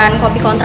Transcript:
aku bisa mencoba